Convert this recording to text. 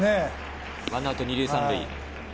１アウト２塁３塁。